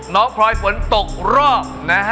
น้องคลอยฝนตกรอบ